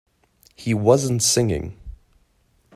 He wasn't singing.